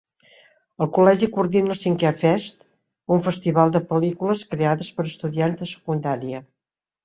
El col·legi coordina el V-Fest, un festival de pel·lícules creades per estudiants de secundària.